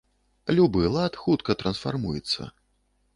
Любы лад хутка трансфармуецца.